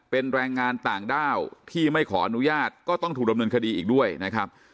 เป็นแรงงานต่างด้าวที่ไม่ขออนุญาตก็ต้องถูกดำเนินคดีอีกด้วยนะครับ